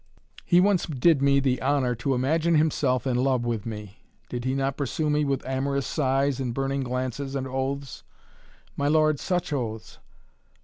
"He once did me the honor to imagine himself in love with me. Did he not pursue me with amorous sighs and burning glances and oaths my lord such oaths!